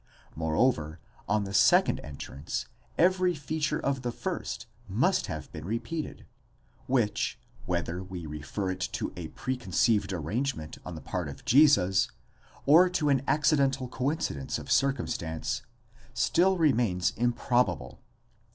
. Moreover, on the second entrance every feature of the first must have been repeated, which, whether we refer it to a preconceived arrangement on the part of Jesus, or to an accidental coincidence of circumstances, still remains improbable.